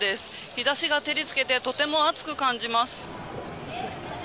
日差しが照り付けてとても暑く感じます。